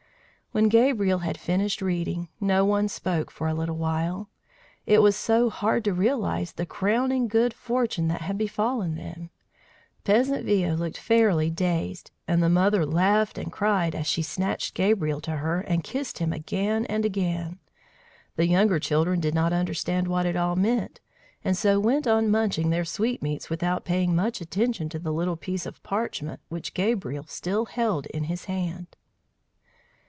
When Gabriel had finished reading, no one spoke for a little while; it was so hard to realize the crowning good fortune that had befallen them. Peasant Viaud looked fairly dazed, and the mother laughed and cried as she snatched Gabriel to her and kissed him again and again. The younger children did not understand what it all meant, and so went on munching their sweetmeats without paying much attention to the little piece of parchment which Gabriel still held in his hand.